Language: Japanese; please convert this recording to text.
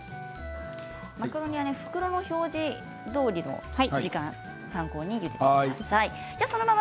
マカロニは袋の表示どおりの参考にゆでてください。